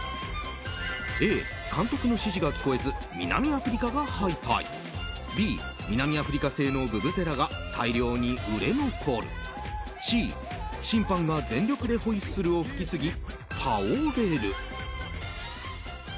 Ａ、監督の指示が聞こえず南アフリカが敗退Ｂ、南アフリカ製のブブゼラが大量に売れ残るＣ、審判が全力でホイッスルを吹きすぎ倒れる。